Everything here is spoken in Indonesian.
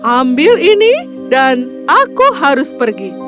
ambil ini dan aku harus pergi